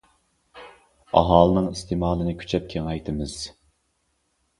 ئاھالىنىڭ ئىستېمالىنى كۈچەپ كېڭەيتىمىز.